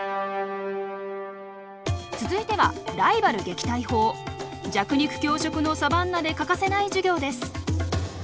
続いては弱肉強食のサバンナで欠かせない授業です。